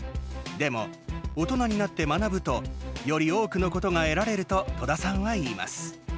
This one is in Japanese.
でも大人になって学ぶとより多くのことが得られると戸田さんは言います。